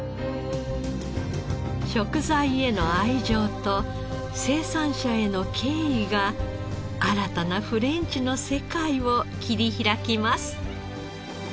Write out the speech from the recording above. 食材への愛情と生産者への敬意が新たなフレンチの世界を切り開きます。